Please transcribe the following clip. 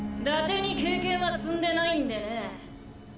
ダテに経験は積んでないんでね。